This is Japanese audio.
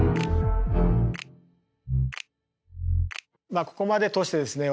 まあここまで通してですね